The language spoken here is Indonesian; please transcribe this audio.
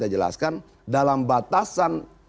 kita jelaskan dalam batasan